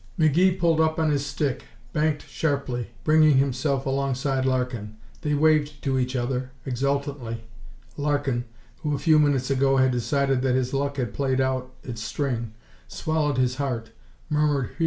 McGee pulled up on his stick, banked sharply, bringing himself alongside Larkin. They waved to each other, exultantly. Larkin, who a few minutes ago had decided that his luck had played out its string, swallowed his heart, murmured "Whew!"